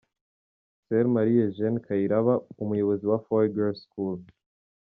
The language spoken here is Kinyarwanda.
Soeur Marie Eugenie Kairaba, umuyobozi wa Fawe Girls School.